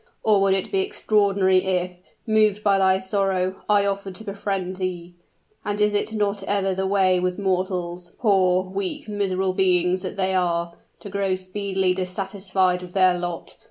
or would it be extraordinary if, moved by thy sorrow, I offered to befriend thee? And is it not ever the way with mortals poor, weak, miserable beings that they are to grow speedily dissatisfied with their lot?